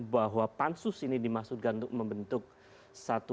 bahwa pansus ini dimaksudkan untuk membentuk sebuah kesehatan